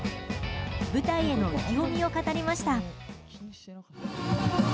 舞台への意気込みを語りました。